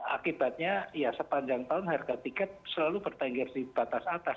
akibatnya ya sepanjang tahun harga tiket selalu bertengger di batas atas